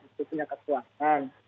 itu punya kesuatan